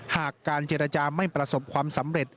หากการเจรจาไม่ประสบความสำเร็จ